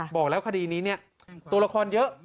บอกแล้วคดีนี้เนี่ยตัวละครเยอะ